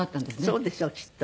そうですよきっと。